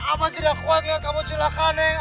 abah tidak mau kamu melihat neng